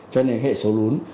cho nên hệ số lún